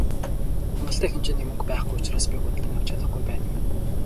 "Хангалттай хэмжээний мөнгө байхгүй учраас би худалдаж авч чадахгүй байна" гэв.